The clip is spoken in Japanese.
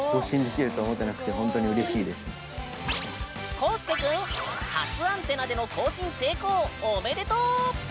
コウスケ君初アンテナでの交信成功おめでとう！